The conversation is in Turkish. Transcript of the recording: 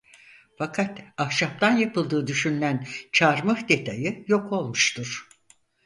Fakat ahşaptan yapıldığı düşünülen çarmıh detayı yok olmuştur.